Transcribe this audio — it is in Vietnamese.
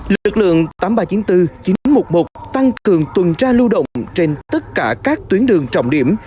lực lượng tám nghìn ba trăm chín mươi bốn chín trăm một mươi một tăng cường tuần tra lưu động trên tất cả các tuyến đường trọng điểm